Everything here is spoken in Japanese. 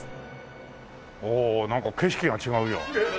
おおなんか景色が違うよ。